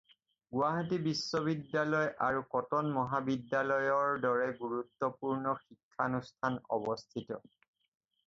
গুৱাহাটী বিশ্ববিদ্যালয় আৰু কটন মহাবিদ্যালয়ৰ দৰে গুৰুত্বপূৰ্ণ শিক্ষানুষ্ঠান অৱস্থিত।